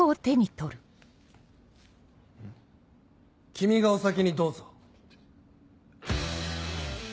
君がお先にどうぞ。